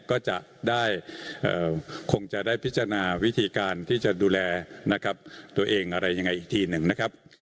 ก็จะได้คงจะได้พิจารณาวิธีการที่จะดูแลนะครับตัวเองอะไรยังไงอีกทีหนึ่งนะครับ